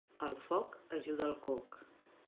El foc ajuda el coc.